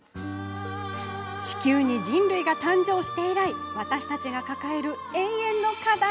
地球に人類が誕生して以来私たちが抱える永遠の課題